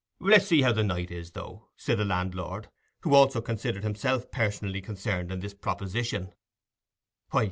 "Let us see how the night is, though," said the landlord, who also considered himself personally concerned in this proposition.